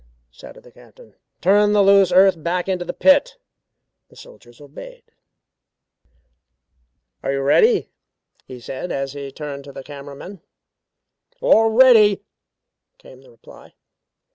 shouted the Captain. "Turn the loose earth back into the pit." The soldiers obeyed. "Are you ready?" he said as he turned to the camera men. "All ready," came the reply.